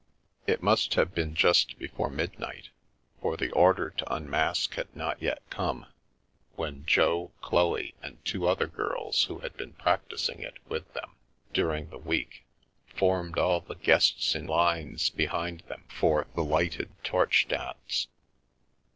It must have been just before midnight — for the order to unmask had not yet come — when Jo, Chloe, and two other girls who had been practising it with them during the week, formed all the guests in lines behind them for the lighted torch dance.